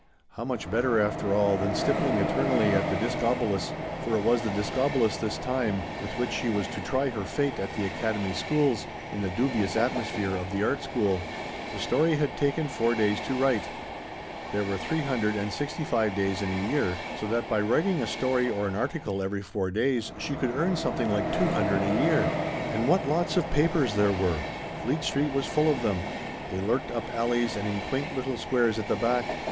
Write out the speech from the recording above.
How much better, after all, than stippling eternally at the Dis cobolus — for it was the Discobolus this time, with which she was to try her fate at the Academy schools — in the dubious atmos phere of the Art School. The story had taken four days to write. There were 365 days in a year, so that by writing a story or an article every four days she could earn some thing like two hundred pounds a year ! And what lots of papers there were. Fleet Street was full of them. They lurked "up alleys and in quaint little squares at the back.